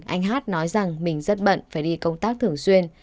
anh hát nói rằng mình rất bận phải đi công tác thường xuyên